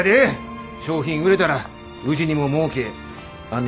商品売れたらうちにももうけあんねんから。